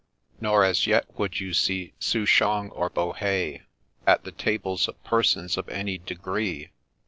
Nor as yet would you see Souchong or Bohea At the tables of persons of any degree.